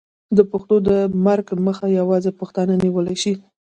د پښتو د مرګ مخه یوازې پښتانه نیولی شي.